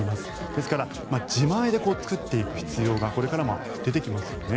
ですから自前で作っていく必要がこれからも出てきますよね。